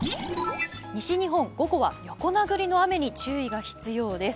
西日本、午後は横殴りの雨に注意が必要です。